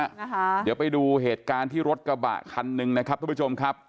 เดี๋ยวไปดูเหตุการณ์ที่รถกระบะคันหนึ่งนะครับทุกผู้ชมครับ